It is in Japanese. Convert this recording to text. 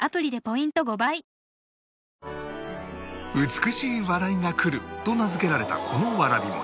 美しい笑いが来ると名付けられたこのわらび餅